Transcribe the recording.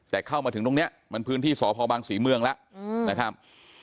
แต่เข้ามาถึงตรงนี้มันพื้นที่สพบังศรีเมืองแล้วนะครับ